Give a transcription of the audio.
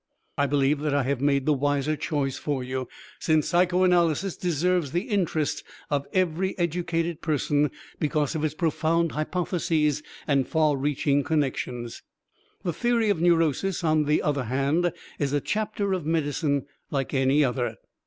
I believe that I have made the wiser choice for you, since psychoanalysis deserves the interest of every educated person because of its profound hypotheses and far reaching connections. The theory of neurosis, on the other hand, is a chapter of medicine like any other.